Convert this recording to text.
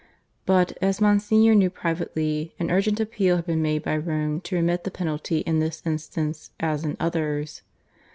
But, as Monsignor knew privately, an urgent appeal had been made by Rome to remit the penalty in this instance, as in others.